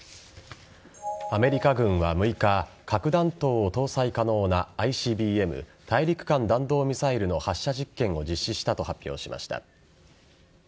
アメリカ軍は６日核弾頭を搭載可能なＩＣＢＭ＝大陸間弾道ミサイルの発射実験を実施したと発表しました。